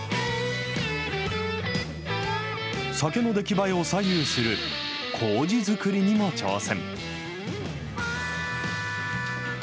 酒の出来栄えを左右する、こうじ造りにも挑戦。